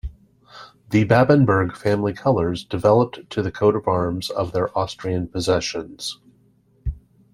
The Babenberg family colors developed to the coat of arms of their Austrian possessions.